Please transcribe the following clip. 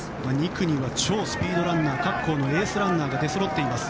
２区には超スピードランナー各校のエースランナーが出そろっています。